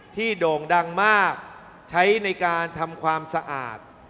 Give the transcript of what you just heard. โด่งดังมากใช้ในการทำความสะอาด